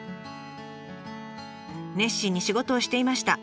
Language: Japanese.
熱心に仕事をしていました。